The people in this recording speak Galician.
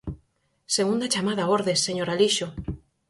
Segunda chamada á orde, señor Alixo.